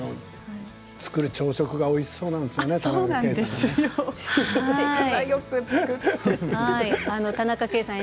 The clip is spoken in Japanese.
作る朝食がおいしそうなんですよね、田中圭さんのね。